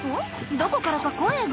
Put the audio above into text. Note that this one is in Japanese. どこからか声が。